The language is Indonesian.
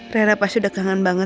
rera pasti udah kangen banget